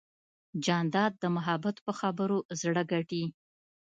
جانداد د محبت په خبرو زړه ګټي.